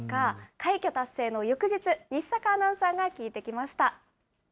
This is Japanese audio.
快挙達成の翌日、西阪アナウンサーが聞いてきました。